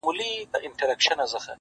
ستا د خولې سلام مي د زړه ور مات كړ-